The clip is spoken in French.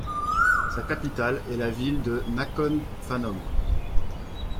Sa capitale est la ville de Nakhon Phanom.